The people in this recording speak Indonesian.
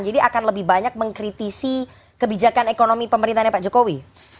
jadi akan lebih banyak mengkritisi kebijakan ekonomi pemerintahnya pak jokowi